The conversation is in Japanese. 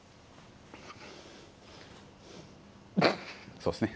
そうですね。